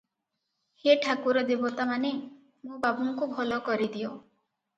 ହେ ଠାକୁର ଦେବତାମାନେ! ମୋ ବାବୁଙ୍କୁ ଭଲ କରିଦିଅ ।